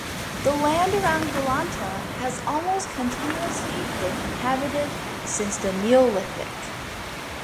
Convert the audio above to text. The land around Galanta has almost continuously been inhabited since the neolithic.